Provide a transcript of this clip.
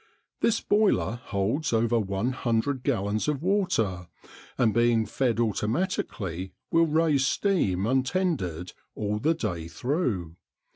This boiler holds over 100 gallons of water, and being fed automatically will raise steam untended all the day through.